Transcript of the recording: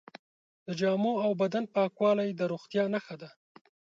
د جامو او بدن پاکوالی د روغتیا نښه ده.